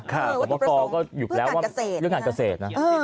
คุณพอปอล์ก็อยู่แล้วว่าเรื่องการเกษตรนะ